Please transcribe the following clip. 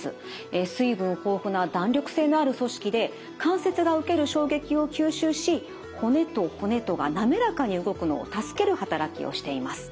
水分豊富な弾力性のある組織で関節が受ける衝撃を吸収し骨と骨とが滑らかに動くのを助ける働きをしています。